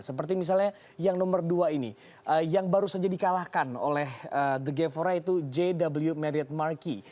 seperti misalnya yang nomor dua ini yang baru saja di kalahkan oleh the gevora itu jw marriott marquee